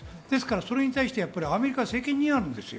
それに対してアメリカは責任があるんですよ。